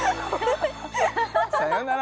さようなら！